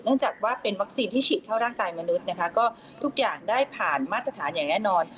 จากว่าเป็นวัคซีนที่ฉีดเข้าร่างกายมนุษย์นะคะก็ทุกอย่างได้ผ่านมาตรฐานอย่างแน่นอน